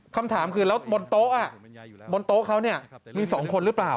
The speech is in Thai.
คำถามคือแล้วบนโต๊ะบนโต๊ะเขาเนี่ยมี๒คนหรือเปล่า